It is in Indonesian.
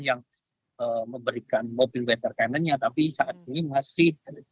yang memberikan mobil weather cannonnya tapi saat ini masih